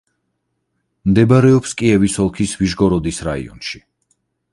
მდებარეობს კიევის ოლქის ვიშგოროდის რაიონში.